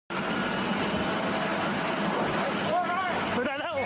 มันจะกัดไฟมันมันลง